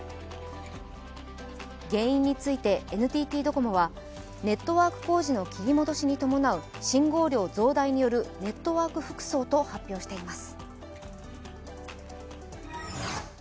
原因についてＮＴＴドコモはネットワーク工事の切りかえに伴う信号量増大によるネットワークふくそうと発表しています。